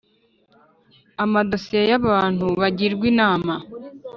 amadosiye y’abantu bagirwa inama,